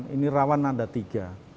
ini rawan ada tiga